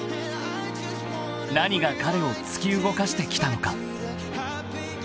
［何が彼を突き動かしてきたのか］